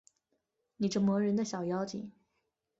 你这磨人的小妖精